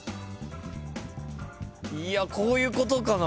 いやこういうことかな？